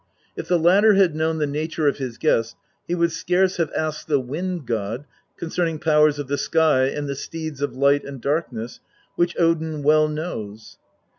If the latter had known the nature of his guest he would scarce have asked the Wind god concerning powers of the sky and the steeds of light and darkness, which Odin well knows.